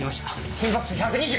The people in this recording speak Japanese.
心拍数１２０！